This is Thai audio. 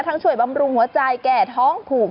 ช่วยบำรุงหัวใจแก่ท้องผูก